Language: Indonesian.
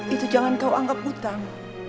itu jangan kau anggap hutang